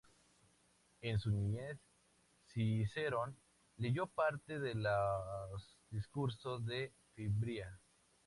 En su niñez, Cicerón leyó parte de los discursos de Fimbria.